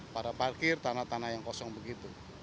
karena pada parkir tanah tanah yang kosong begitu